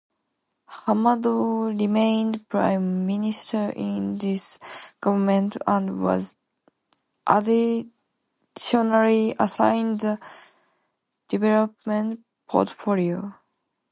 Hamadou remained Prime Minister in this government and was additionally assigned the development portfolio.